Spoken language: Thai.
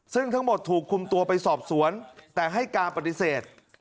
ซึ่งทั้งหมดถูกคุมตัวไปสอบสวนแต่ให้การปฏิเสธ